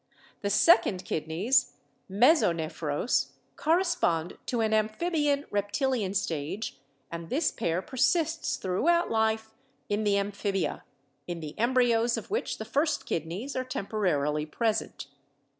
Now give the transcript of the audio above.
The second kidneys (mesonephros) correspond to an amphibian reptilian stage, and this pair persists throughout life in the amphibia, in the embryos of which the first kidneys are temporarily present.